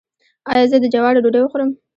ایا زه د جوارو ډوډۍ وخورم؟